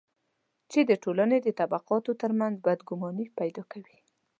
چې د ټولنې د طبقاتو ترمنځ بدګماني پیدا کوي.